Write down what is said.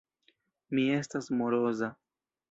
Mi estas moroza.